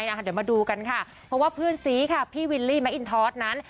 เดี๋ยวมาดูกันค่ะเพราะว่าเพื่อนซีค่ะพี่วิลลี่แมคอินทอสนั้น